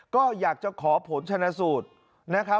ก็อยากจะขอผลชนสูตร